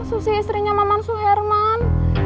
susi istrinya mamansu herman